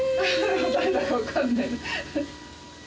誰だか分かんないの。